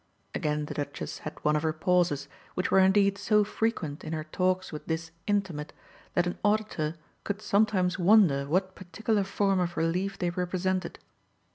Again the Duchess had one of her pauses, which were indeed so frequent in her talks with this intimate that an auditor could sometimes wonder what particular form of relief they represented.